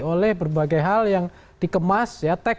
oleh berbagai hal yang dikemas